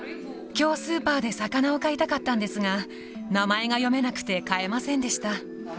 きょう、スーパーで魚を買いたかったんですが、名前が読めなくて買えませんでした。